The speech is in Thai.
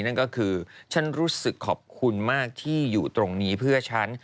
นั่นก็คือฉันรู้สึกขอบคุณมากที่อยู่ตรงนี้เพื่อฉัน